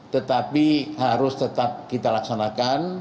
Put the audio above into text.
tetapi harus tetap kita laksanakan